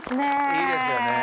いいですよね。